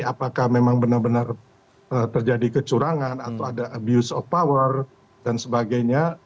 apakah memang benar benar terjadi kecurangan atau ada abuse of power dan sebagainya